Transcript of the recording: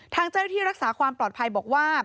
ทางเจ้าหน้าที่รักษาความปลอดภัยบอกว่า